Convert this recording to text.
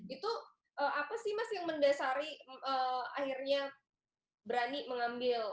itu apa sih mas yang mendasari akhirnya berani mengambil